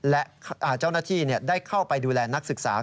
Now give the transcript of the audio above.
และเจ้าหน้าที่ได้เข้าไปดูแลนักศึกษา